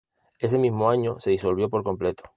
Ese mismo año se disolvió por completo.